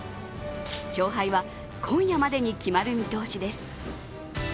勝敗は今夜までに決まる見通しです。